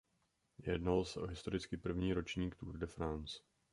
Jednalo se o historicky první ročník Tour de France.